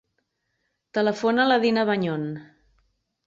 Telefona a la Dina Bañon.